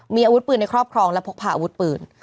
มีอาวุธปืนในครอบครองและพกพาอาวุธปืน